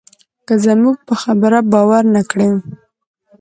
که زموږ په خبره باور نه کړې.